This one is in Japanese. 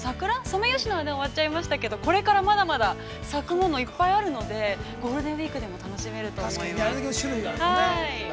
ソメイヨシノは終わっちゃいましたけど、これからまだまだ咲くものいっぱいあるのでゴールデンウイークでも楽しめると思います。